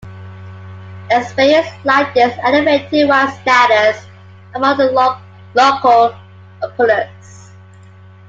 Experience like this elevated Wang's status among the local populace.